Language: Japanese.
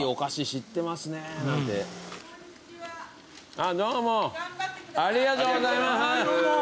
ありがとうございます。